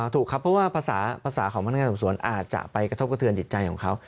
ถูกครับเพราะว่าภาษาของพนักงานสอบสวนอาจจะไปกระทบกระเทือนจิตใจของเขา